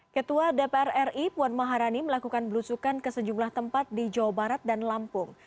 ketua dpr ri puan maharani melakukan belusukan ke sejumlah tempat di jawa barat dan lampung